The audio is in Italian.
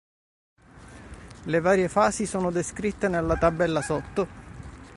Le varie fasi sono descritte nella tabella sotto.